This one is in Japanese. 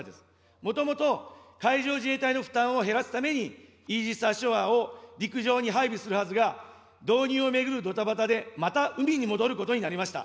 もともと海上自衛隊の負担を減らすために、イージス・アショアを陸上に配備するはずが、導入を巡るドタバタで、また海に戻ることになりました。